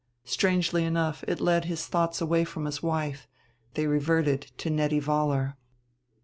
Strangely enough it led his thoughts away from his wife; they reverted to Nettie Vollar.